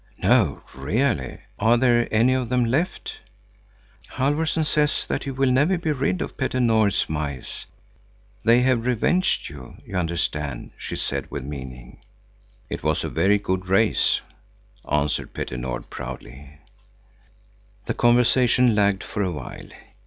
"No, really! Are there any of them left?" "Halfvorson says that he will never be rid of Petter Nord's mice. They have revenged you, you understand," she said with meaning. "It was a very good race," answered Petter Nord, proudly. The conversation lagged for a while.